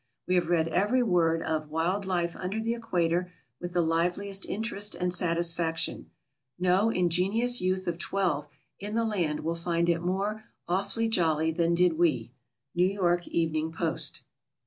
We have read every word of "Wild Life under the Equator" with the liveliest interest and satisfaction. No ingenious youth of twelve in the land will find it more "awfully jolly" than did we. _N. Y. Evening Post.